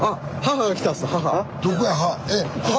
どこや母。